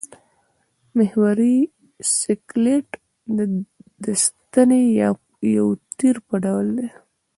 محوري سکلېټ د ستنې یا یو تیر په ډول دی.